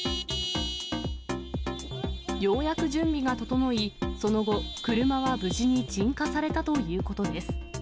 ようやく準備が整い、その後、車は無事に鎮火されたということです。